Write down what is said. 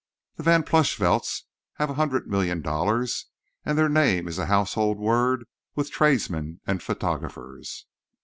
The Van Plushvelts have a hundred million dollars, and their name is a household word with tradesmen and photographers.